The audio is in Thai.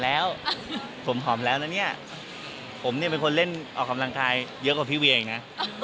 อันนี้ผมหอมแล้วผมเป็นคนเล่นออกกำลังกายเยอะกว่าพี่วีเองนะ